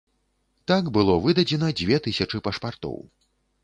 Так было выдадзена дзве тысячы пашпартоў.